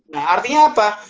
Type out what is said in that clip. nah artinya apa